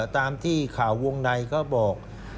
ตามที่ข่าววงในเขาบอก